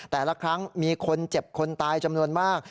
แต่ละครั้งมีคนเจ็บคนตายจำนวนมาก